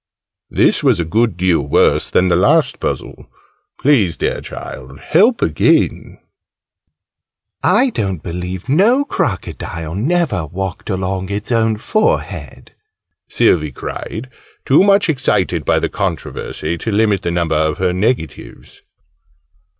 This was a good deal worse than the last puzzle. Please, dear Child, help again! "I don't believe no Crocodile never walked along its own forehead!" Sylvie cried, too much excited by the controversy to limit the number of her negatives.